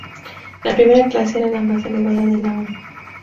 La primera clase era la más elevada de la Orden.